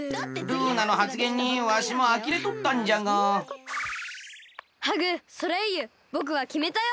ルーナのはつげんにわしもあきれとったんじゃがハグソレイユぼくはきめたよ！